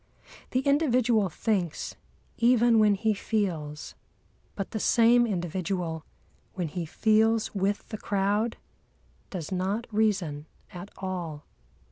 The individual thinks, even when he feels; but the same individual, when he feels with the crowd, does not reason at all.